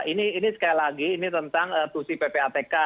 ini tentang ya ini sekali lagi ini tentang tutsi ppatk